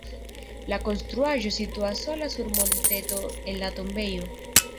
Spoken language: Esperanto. La konstruaĵo situas sola sur monteto en la tombejo.